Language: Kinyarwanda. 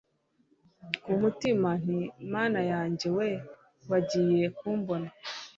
kumutima nti mana yanjye wee! bagiye kumbona!